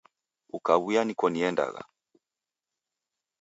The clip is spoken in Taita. Ukaw'uya niko niendagha.